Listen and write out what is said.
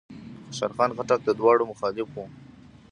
خوشحال خان خټک د دواړو مخالف و.